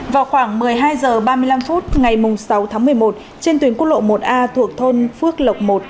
vào khoảng một mươi hai h ba mươi năm phút ngày sáu tháng một mươi một trên tuyến quốc lộ một a thuộc thôn phước lộc một